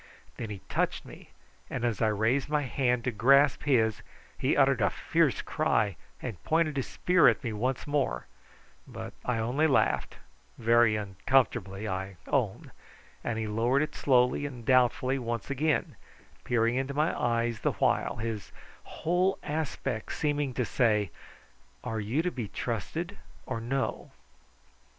Then he touched me, and as I raised my hand to grasp his he uttered a fierce cry and pointed his spear at me once more, but I only laughed very uncomfortably I own and he lowered it slowly and doubtfully once again, peering into my eyes the while, his whole aspect seeming to say, "Are you to be trusted or no?"